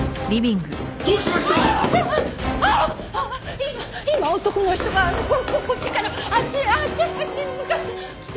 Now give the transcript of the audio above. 今今男の人がこここっちからあっちへあっちあっちに向かって。